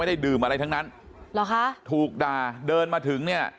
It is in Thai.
ไม่ได้ดื่มอะไรทั้งนั้นถูกด่าเดินมาถึงเนี่ย